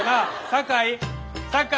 酒井酒井。